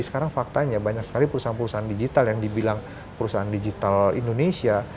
sekarang faktanya banyak sekali perusahaan perusahaan digital yang dibilang perusahaan digital indonesia